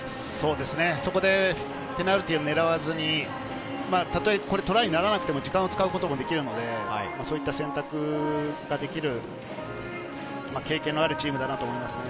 そこでペナルティーを狙わずに、たとえトライにならなくても時間を使うこともできるので、そういった選択ができる経験のあるチームだなと思います。